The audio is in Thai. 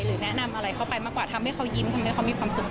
แนะนำอะไรเข้าไปมากกว่าทำให้เขายิ้มทำให้เขามีความสุข